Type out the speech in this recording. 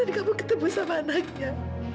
dan kamu ketemu sama anaknya